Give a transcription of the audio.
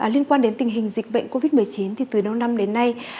liên quan đến tình hình dịch bệnh covid một mươi chín từ đầu năm đến nay